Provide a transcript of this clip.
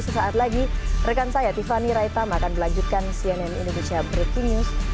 sesaat lagi rekan saya tiffany raitama akan melanjutkan cnn indonesia breaking news